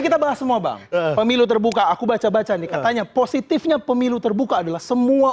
kita bahas semua bang pemilu terbuka aku baca baca nih katanya positifnya pemilu terbuka adalah semua